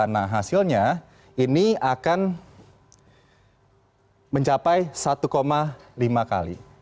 nah hasilnya ini akan mencapai satu lima kali